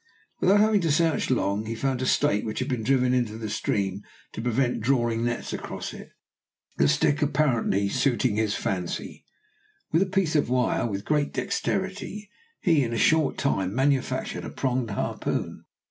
Without having to search long, he found a stake which had been driven into the stream to prevent drawing nets across it. The stick apparently suiting his fancy, with a piece of wire, with great dexterity, he in a short time manufactured a pronged harpoon.